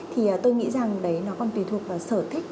thì tôi nghĩ rằng đấy nó còn tùy thuộc vào sở thích